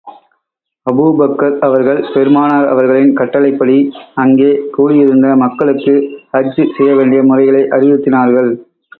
Abu Bakr அவர்கள் பெருமானார் அவர்களின் கட்டளைப்படி, அங்கே கூடியிருந்த மக்களுக்கு ஹஜ் செய்ய வேண்டிய முறைகளை அறிவுறுத்தினார்கள்.